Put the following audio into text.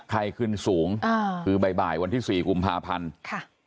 ใครคืนสูงคือบ่ายวันที่๔กุมภาพันธ์